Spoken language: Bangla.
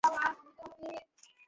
মিশেল, কোথায় যাচ্ছো?